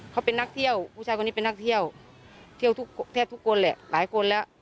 เขาเป็นนักเที่ยวผู้ชายคนนี้เป็นนักเที่ยวเที่ยวทุกแทบทุกคนแหละหลายคนแล้ว